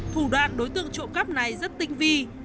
thủ đoạn đối tượng trộm cắp này rất tinh vi